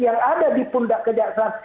yang ada di pundak kejaksaan